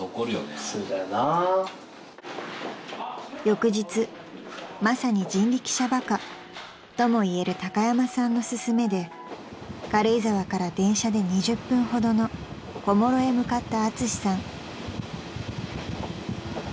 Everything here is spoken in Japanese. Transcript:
［翌日まさに人力車バカともいえる高山さんの勧めで軽井沢から電車で２０分ほどの小諸へ向かったアツシさん］